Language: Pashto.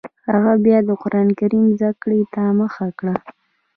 هغه بیا د قران کریم زده کړې ته مخه کړه